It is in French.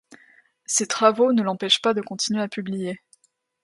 Ces travaux ne l'empêchent pas de continuer à publier.